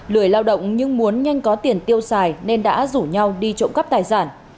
lười lao động nhưng muốn nhanh có tiền tiêu xài nên đã rủ nhau đi trộm cắp tài sản